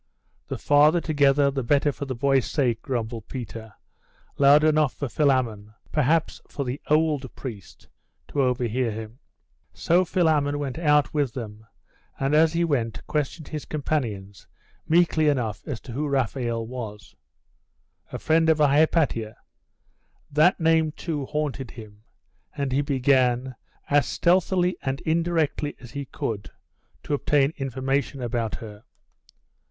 'The farther together the better for the boy's sake,' grumbled Peter, loud enough for Philammon perhaps for the old priest to overhear him. So Philammon went out with them, and as he went questioned his companions meekly enough as to who Raphael was. 'A friend of Hypatia!' that name, too, haunted him; and he began, as stealthily and indirectly as he could, to obtain information about her.